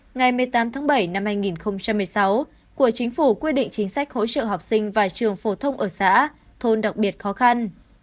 ngày một mươi tám tháng bảy năm hai nghìn một mươi sáu của chính phủ quy định chính sách hỗ trợ học sinh và trường phổ thông ở xã thôn đặc biệt khó khăn